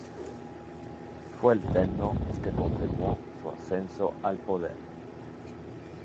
Fue el tennō que confirmó su ascenso al poder.